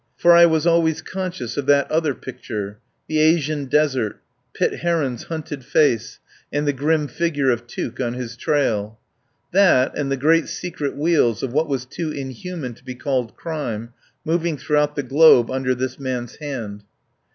For I was always conscious of that other picture — the Asian desert, Pitt Heron's hunted face, and the grim figure of Tuke on his trail. That, and the great secret wheels of what was too inhuman to be called crime moving throughout the globe under this man's hand.